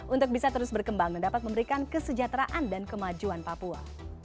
untuk bisa terus berkembang dan dapat memberikan kesejahteraan dan kemajuan papua